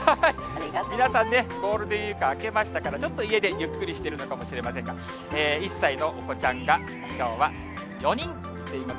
皆さんね、ゴールデンウィーク明けましたから、ちょっと家でゆっくりしてるのかもしれませんが、１歳のお子ちゃんが、きょうは４人来ています。